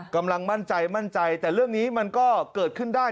กำลังมั่นใจมั่นใจแต่เรื่องนี้มันก็เกิดขึ้นได้